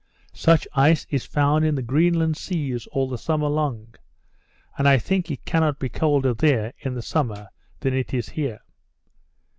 Such ice is found in the Greenland seas all the summer long; and I think it cannot be colder there in the summer, than it is here.